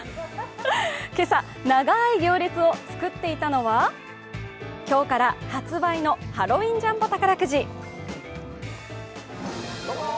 今朝、長い行列を作っていたのは今日から発売のハロウィンジャンボ宝くじ。